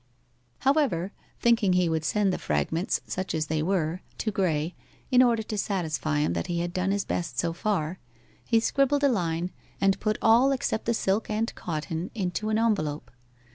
However, thinking he would send the fragments, such as they were, to Graye, in order to satisfy him that he had done his best so far, he scribbled a line, and put all except the silk and cotton into an envelope.